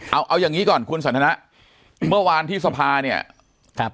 เอาเอาอย่างงี้ก่อนคุณสันทนะเมื่อวานที่สภาเนี่ยครับ